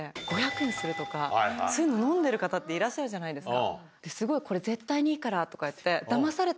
そういうの飲んでる方っていらっしゃるじゃないですか。